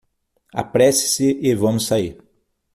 Apresse-se e vamos sair.